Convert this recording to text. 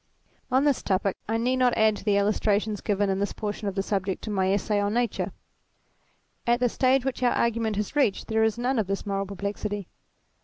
On this topic I need not add to the illustrations given of this portion of the subject in my Essay on Nature. At the stage which our argument has reached there is none of this moral perplexity.